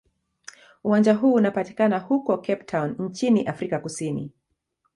Uwanja huu unapatikana huko Cape Town nchini Afrika Kusini.